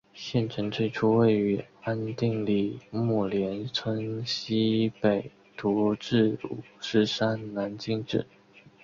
县城最初位于安定里木连村溪北徙治五狮山南今址。